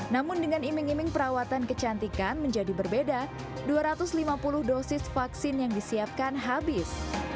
namun dengan iming iming perawatan kecantikan menjadi berbeda dua ratus lima puluh dosis vaksin yang disiapkan habis